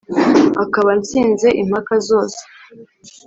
Akaba antsinze impaka zose